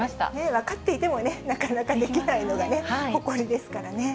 分かっていてもなかなかできないのがね、ホコリですからね。